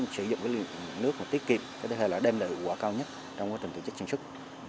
sử dụng nước tiết kiệm đem lợi ủng hộ cao nhất trong trường chất sản xuất